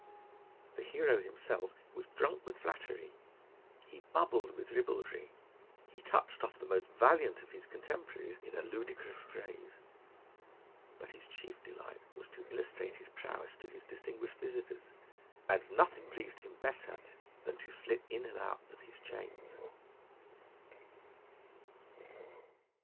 The hero himself was drunk with flattery; he bubbled with ribaldry; he touched off the most valiant of his contemporaries in a ludicrous phrase. But his chief delight was to illustrate his prowess to his distinguished visitors, and nothing pleased him better than to slip in and out of his chains.